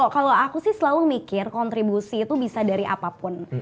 kalau aku sih selalu mikir kontribusi itu bisa dari apapun